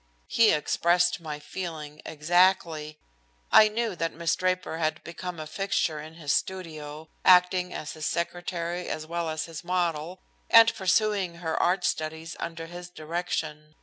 He expressed my feeling exactly. I knew that Miss Draper had become a fixture in his studio, acting as his secretary as well as his model, and pursuing her art studies under his direction.